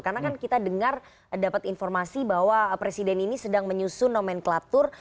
karena kan kita dengar dapat informasi bahwa presiden ini sedang menyusun nomenklatur